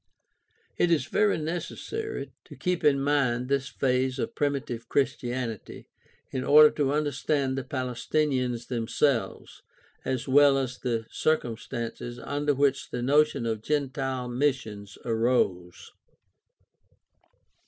It is very necessary to keep in mind this phase of primitive Chris tianity in order to understand the Palestinians themselves, as well as the circumstances under which the notion of gentile missions arose.